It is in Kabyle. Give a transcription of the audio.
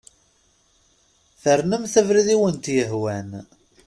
Fernemt abrid i awent-yehwan.